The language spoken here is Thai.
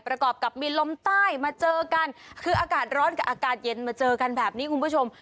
ประกอบกับมีลมใต้มาเจอกันคืออากาศร้อนกับอากาศเย็นมาเจอกันแบบนี้คุณผู้ชม